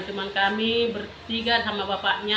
cuma kami bertiga sama bapaknya